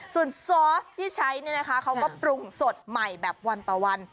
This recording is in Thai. ส่วนซอสที่ใช้เนี่ยนะคะเขาก็ปรุงสดใหม่แบบวันต่อวัน